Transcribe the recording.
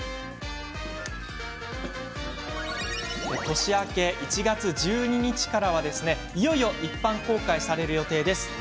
年明け、１月１２日からはいよいよ一般公開される予定です。